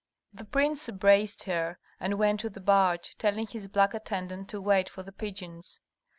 The prince embraced her and went to the barge, telling his black attendant to wait for the pigeons.